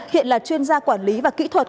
hiện là chuyên gia quản lý và kỹ thuật